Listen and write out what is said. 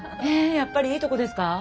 やっぱりいいとこですか？